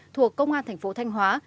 thuộc công an thành phố thanh hóa